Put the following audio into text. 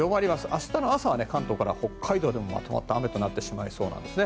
明日の朝は関東から北海道でもまとまった雨となってしまいそうなんです。